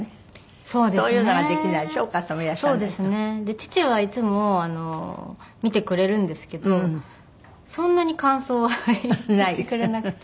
父はいつも見てくれるんですけどそんなに感想は言ってくれなくて。